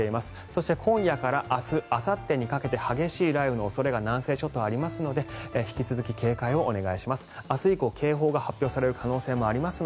そして、今夜から明日あさってにかけて激しい雨の恐れが南西諸島はありますので引き続き警戒をお願いします。